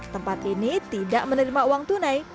tempat ini tidak menerima uang tunai